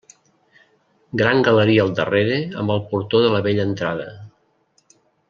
Gran galeria al darrere amb el portó de la vella entrada.